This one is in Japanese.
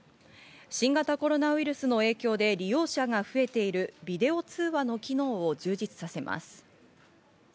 新型コロナウイルスの影響で利用者が増えているビデオ通話の機能を充実させます。